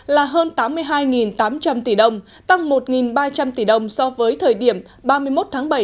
là hơn tám mươi hai tám trăm linh tỷ đồng tăng một ba trăm linh tỷ đồng so với thời điểm ba mươi một tháng bảy năm hai nghìn một mươi tám